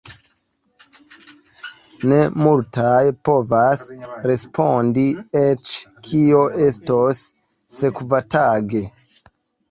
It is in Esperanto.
Ne multaj povas respondi eĉ kio estos sekvatage.